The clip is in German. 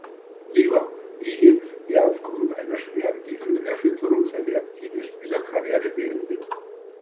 Liga, ehe er aufgrund einer schweren Gehirnerschütterung seine aktive Spielerkarriere beendete.